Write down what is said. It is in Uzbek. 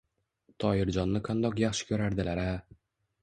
Toyirjonni qandoq yaxshi ko‘rardilar-a!